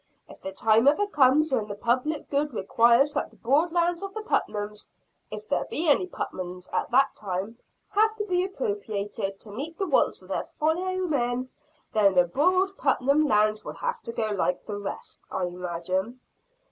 If the time ever comes when the public good requires that the broad lands of the Putnams if there be any Putnams at that time have to be appropriated to meet the wants of their fellow men, then the broad Putnam lands will have to go like the rest, I imagine.